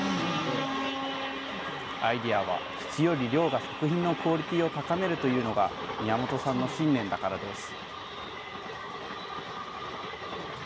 アイデアは質より量が作品のクオリティーを高めるというのが、宮本さんの信念だからです。